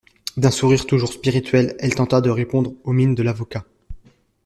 D'un sourire toujours spirituel elle tenta de répondre aux mines de l'avocat.